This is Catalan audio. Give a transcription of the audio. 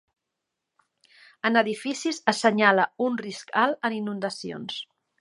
En edificis assenyala un risc alt en inundacions.